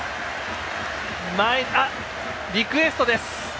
リクエストです。